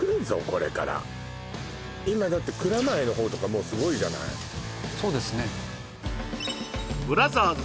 これから今だって蔵前の方とかもうすごいじゃないそうですねＢＲＯＺＥＲＳ